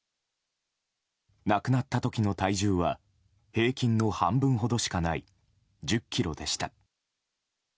亡くなった時の体重は平均の半分ほどしかない１０ｋｇでした。